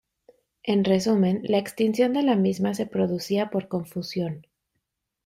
En resumen, la extinción de la misma se producía por confusión.